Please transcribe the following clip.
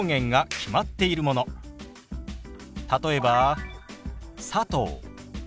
例えば「佐藤」。